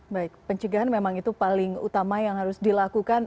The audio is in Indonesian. baik pencegahan memang itu paling utama yang harus dilakukan